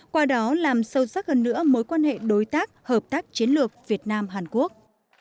qua đó làm sâu sắc hơn nữa mối quan hệ đối tác hợp tác chiến lược việt nam hàn quốc